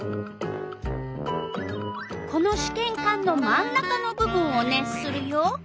このしけんかんの真ん中の部分を熱するよ。